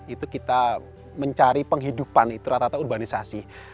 itu kita mencari penghidupan itu rata rata urbanisasi